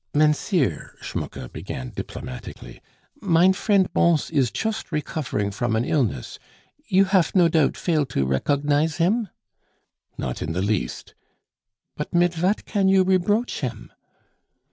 "Mennseir," Schmucke began diplomatically, "mine friend Bons is chust recofering from an illness; you haf no doubt fail to rekognize him?" "Not in the least." "But mit vat kann you rebroach him?"